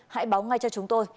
hãy báo ngay cho chúng tôi